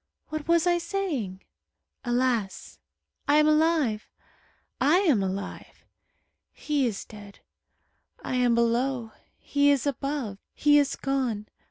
What was I saying? Alas! I am alive. I am alive. He is dead. I am below. He is above. He is gone.